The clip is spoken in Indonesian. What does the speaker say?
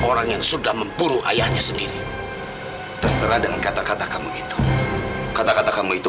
orang yang sudah membunuh ayahnya sendiri terserah dengan kata kata kamu itu kata kata kamu itu